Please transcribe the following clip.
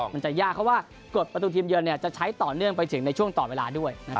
มันจะยากเพราะว่ากฎประตูทีมเยือนจะใช้ต่อเนื่องไปถึงในช่วงต่อเวลาด้วยนะครับ